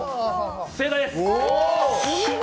正解です！